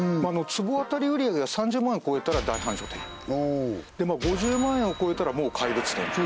坪当たり売り上げが３０万超えたら大繁盛店で５０万円を超えたらもう怪物店